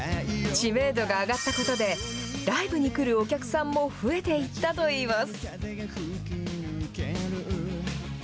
知名度が上がったことで、ライブに来るお客さんも増えていったといいます。